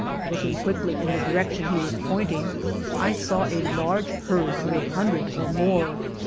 Looking quickly in the direction he was pointing, I saw a large herd of a hundred or more.